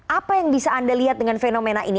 apa yang bisa anda lihat dengan fenomena ini